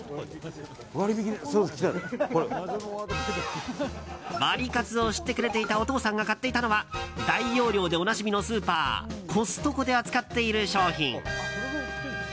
ワリカツを知ってくれていたお父さんが買ったのは大容量でおなじみのスーパーコストコで扱っている商品。